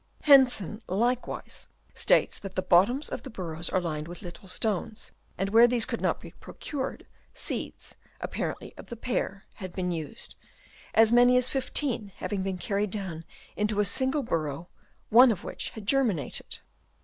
Hensen likewise states that the bottoms of the burrows are lined with little stones ; and where these could not be. procured, seeds, apparently of the pear, had been used, as many as fifteen having been carried down into a single burrow, one of which had germinated.